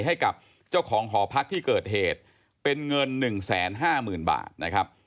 ให้กับเจ้าของหอพักที่เกิดเหตุเป็นเงิน๑๕๐๐๐บาทนะครับ